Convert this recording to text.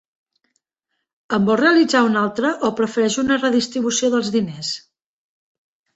En vol realitzar una altra o prefereix una redistribució dels diners?